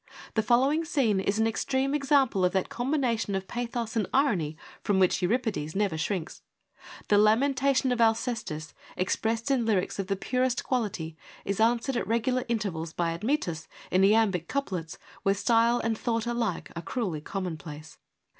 The following scene is an extreme example of that combination of pathos and irony from which Euripides never shrinks. The lamentation of Alcestis, expressed in lyrics of the purest quality, is answered at regular intervals by Admetus in iambic couplets where style and thought alike are cruelly common place.